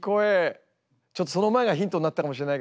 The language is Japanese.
ちょっとその前がヒントになってたかもしれないけど。